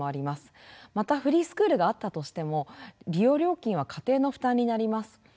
またフリースクールがあったとしても利用料金は家庭の負担になります。